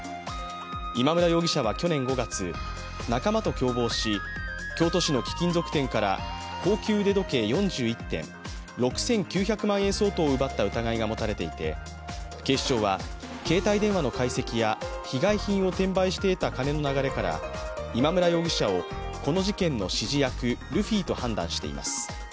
今村容疑者は去年５月、仲間と共謀し、京都市の貴金属店から高級腕時計４１点、６９００万円相当を奪った疑いが持たれていて警視庁は携帯電話の解析や被害品を転売して得た金の流れから今村容疑者をこの事件の指示役ルフィと判断しています。